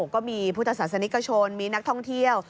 ก็มีพุทธศาสนิกชนมีนักท่องเที่ยว